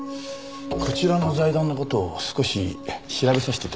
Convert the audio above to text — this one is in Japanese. こちらの財団の事を少し調べさせて頂きました。